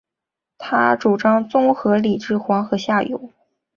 他主张综合治理黄河下游。